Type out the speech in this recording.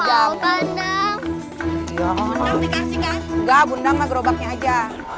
enggak bundang sama gerobaknya aja